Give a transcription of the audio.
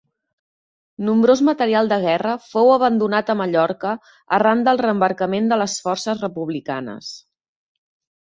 Nombrós material de guerra fou abandonat a Mallorca arran del reembarcament de les forces republicanes.